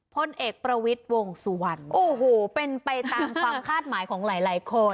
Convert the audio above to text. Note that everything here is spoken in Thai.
พลเอกประวิทย์วงสุวรรณโอ้โหเป็นไปตามความคาดหมายของหลายคน